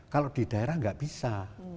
kalau di daerah nggak bisa